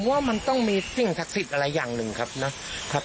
ว่ามันต้องมีสิ่งศักดิ์สิทธิ์อะไรอย่างหนึ่งครับนะครับ